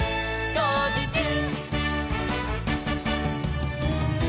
「こうじちゅう！！」